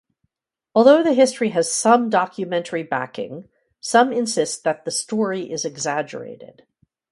Although the history has some documentary backing, some insist that the story is exaggerated.